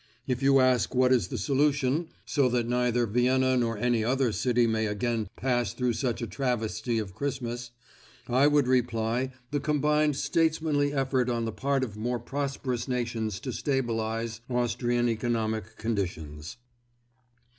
If you ask what is the solution, so that neither Vienna nor any other city may again pass through such a travesty of Christmas, I would reply the combined statesmanly effort on the part of more prosperous nations to stabilise Austrian economic conditions.